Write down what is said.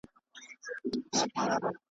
لاړمه، خپلې خاموشۍ ته وګډېږه